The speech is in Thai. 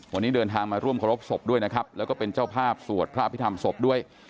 วันนี้เดินทางมาร่วมเคารพศพด้วยนะครับแล้วก็เป็นเจ้าภาพสวดพระอภิษฐรรมศพด้วย